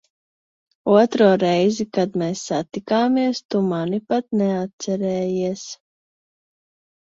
Otro reizi, kad mēs satikāmies, tu mani pat neatcerējies.